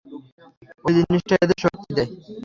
ঐ জিনিসটাই এদের শক্তি দেয়।